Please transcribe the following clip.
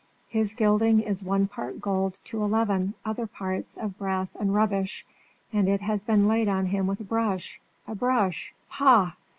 His gilding is one part gold to eleven other parts of brass and rubbish, and it has been laid on him with a brush a brush pah!